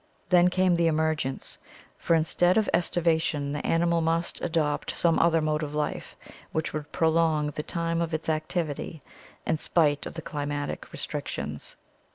Then came the emergence, for instead of aestivation the animal must adopt some other mode of life which would prolong the time of its activity in spite of the climatic restrictions.